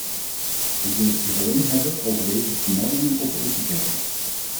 Ik wil het hier alleen hebben over deze vermeldingen op de etiketten.